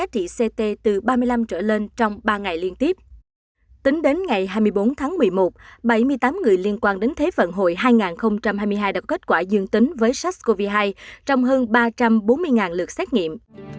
tính đến ngày hai mươi bốn tháng một mươi một bảy mươi tám người liên quan đến thế vận hội hai nghìn hai mươi hai đã kết quả dương tính với sars cov hai trong hơn ba trăm bốn mươi lượt xét nghiệm